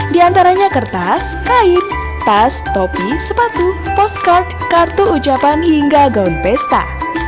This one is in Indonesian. diantaranya kertas kain tas topi sepatu postcard kartu ucapan hingga gaun pesta